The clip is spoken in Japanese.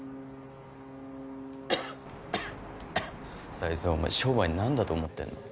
才津お前商売何だと思ってんの？